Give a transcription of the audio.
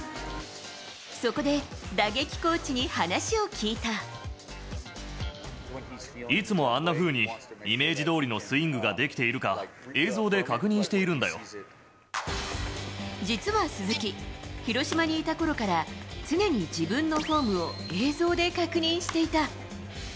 そこで打撃コーチに話を聞いいつもあんなふうに、イメージどおりのスイングができているか、実は鈴木、広島にいたころから、常に自分のフォームを映像で確認していた。